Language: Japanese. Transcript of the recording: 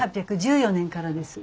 １８１４年からです。